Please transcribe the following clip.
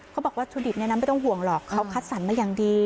เขาบอกว่าวัตถุดิบเนี่ยน้ำไม่ต้องห่วงหรอกเขาคัดสรรมาอย่างดี